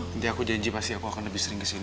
nanti aku janji pasti aku akan lebih sering kesini